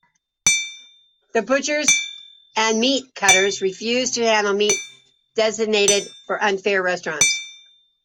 The butchers and meat cutters refused to handle meat destined for unfair restaurants.